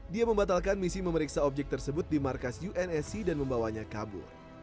dia membatalkan misi memeriksa objek tersebut di markas unsc dan membawanya kabur